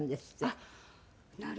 あっなるほど。